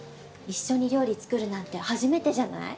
一緒に料理作るなんて初めてじゃない？